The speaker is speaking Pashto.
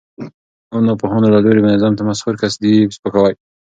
او ناپوهانو له لوري منظم تمسخر، قصدي سپکاوي،